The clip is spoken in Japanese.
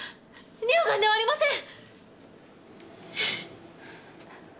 乳がんではありません！